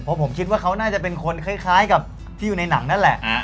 เพราะผมคิดว่าเขาน่าจะเป็นคนคล้ายกับที่อยู่ในหนังนั่นแหละ